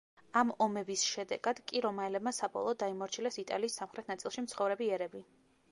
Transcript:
ამ ომების შედეგად კი რომაელებმა საბოლოოდ დაიმორჩილეს იტალიის სამხრეთ ნაწილში მცხოვრები ერები.